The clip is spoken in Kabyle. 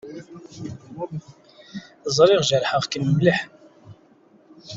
Ẓriɣ jerḥeɣ-kem mliḥ.